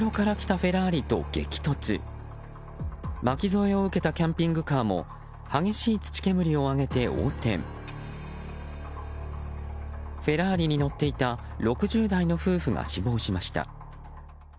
フェラーリに乗っていた６０代の夫婦が死亡しました。